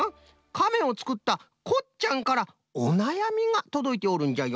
カメをつくったこっちゃんからおなやみがとどいておるんじゃよ。